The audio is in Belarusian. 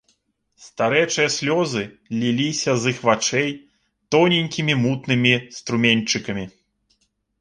Старэчыя слёзы ліліся з іх вачэй тоненькімі мутнымі струменьчыкамі.